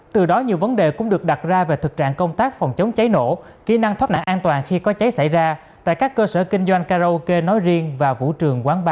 từ đó nhiều vấn đề cũng được đặt ra về thực trạng công tác phòng chống cháy nổ kỹ năng thoát nạn an toàn khi có cháy xảy ra tại các cơ sở kinh doanh karaoke nói riêng và vũ trường quán bar